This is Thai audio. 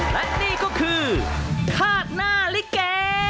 และนี่ก็คือคาดหน้าลิเก